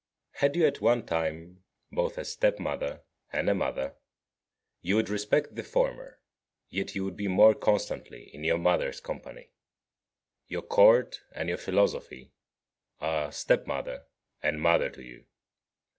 12. Had you at one time both a step mother and a mother, you would respect the former, yet you would be more constantly in your mother's company. Your court and your philosophy are step mother and mother to you.